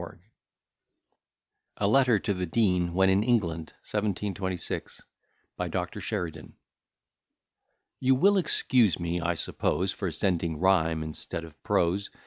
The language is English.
B._] A LETTER TO THE DEAN WHEN IN ENGLAND. 1726. BY DR. SHERIDAN You will excuse me, I suppose, For sending rhyme instead of prose.